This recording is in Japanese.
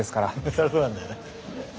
そりゃそうなんだよね。